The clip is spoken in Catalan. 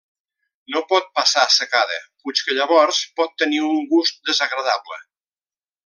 No pot passar secada, puix que llavors pot tenir un gust desagradable.